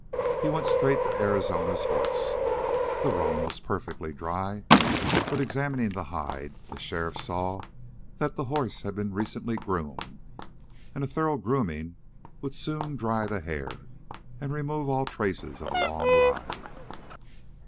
He went straight to Arizona's horse. The roan was perfectly dry, but examining the hide, the sheriff saw that the horse had been recently groomed, and a thorough grooming would soon dry the hair and remove all traces of a long ride.